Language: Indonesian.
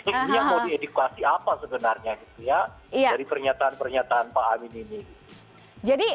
ini yang mau diedukasi apa sebenarnya gitu ya dari pernyataan pernyataan pak amin ini